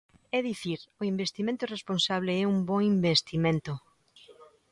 É dicir, o investimento responsable é un bo investimento.